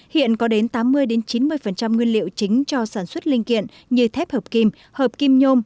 hiện có đến tám mươi chín mươi nguyên liệu chính cho sản xuất linh kiện như thép hợp kim hợp kim nhôm